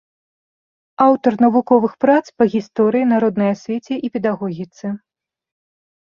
Аўтар навуковых прац па гісторыі, народнай асвеце і педагогіцы.